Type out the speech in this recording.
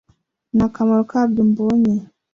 Nta n’akamaro kabyo mbonye